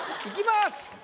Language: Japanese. いきます。